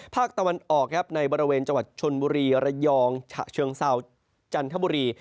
ภาคตะวันออกในบริเวณจวัดชนบุรีระยองชฯเชิงไซว์จันทบุรี